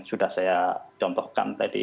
sudah saya contohkan tadi